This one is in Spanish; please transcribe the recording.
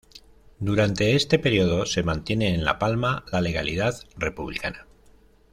Durante este período se mantiene en La Palma la legalidad republicana.